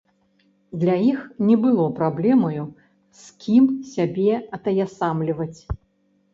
Для іх не было праблемаю, з кім сябе атаясамліваць.